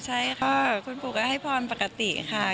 ใช่ค่ะคุณปู่ก็ให้พรปกติค่ะ